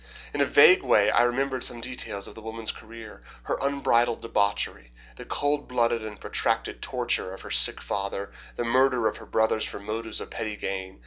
In a vague way I remembered some details of the woman's career, her unbridled debauchery, the cold blooded and protracted torture of her sick father, the murder of her brothers for motives of petty gain.